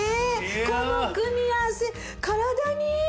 この組み合わせ体にいい！